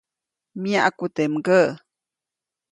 Myaʼku teʼ mgäʼ.